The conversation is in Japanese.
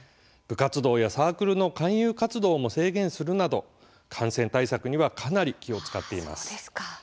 部活動やサークルの勧誘活動も制限するなど、感染対策にはかなり気を遣っています。